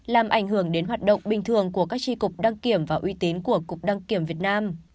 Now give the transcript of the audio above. làm ảnh hưởng đến hoạt động bình thường của các tri cục đăng kiểm và uy tín của cục đăng kiểm việt nam